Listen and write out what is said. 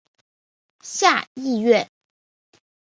下议院。